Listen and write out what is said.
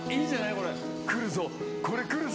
これくるぞ！